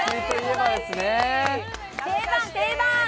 定番定番！